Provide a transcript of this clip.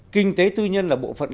kinh tế tư nhân là bộ phận